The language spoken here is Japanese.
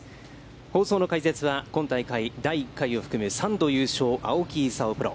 放送の解説は、今大会第１回を含む３度優勝、青木功プロ。